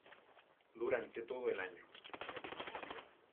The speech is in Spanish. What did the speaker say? Durante todo el año.